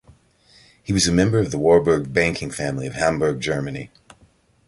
He was a member of the Warburg banking family of Hamburg, Germany.